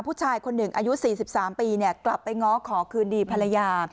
ผู้ชายคนหนึ่งอายุ๔๓ปีกลับไปง้อขอคืนดีภรรยา